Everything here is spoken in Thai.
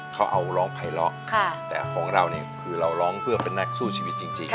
เขาเอาร้องไพร้อแต่ของเราเนี่ยคือเราร้องเพื่อเป็นนักสู้ชีวิตจริง